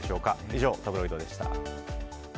以上、タブロイドでした。